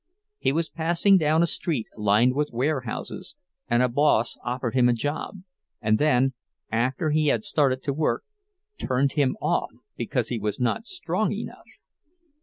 He was passing down a street lined with warehouses, and a boss offered him a job, and then, after he had started to work, turned him off because he was not strong enough.